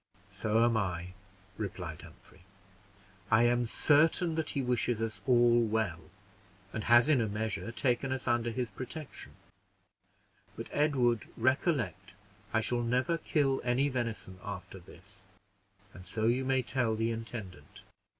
"So am I," replied Humphrey. "I am certain that he wishes us all well, and has, in a measure, taken us under his protection; but, Edward, recollect, I shall never kill any venison after this, and so you may tell the intendant."